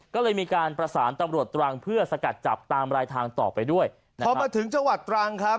ก็เลยมีการประสานตำรวจตรังเพื่อสกัดจับตามรายทางต่อไปด้วยพอมาถึงจังหวัดตรังครับ